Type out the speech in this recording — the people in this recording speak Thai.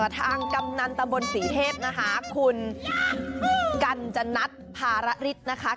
ทางกำนันตะมนต์สีเทพฯคุณกันจนัดภาระฤทธิ์